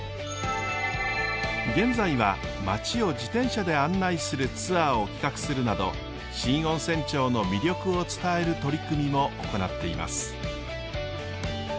現在は町を自転車で案内するツアーを企画するなど新温泉町の魅力を伝える取り組みも行っています。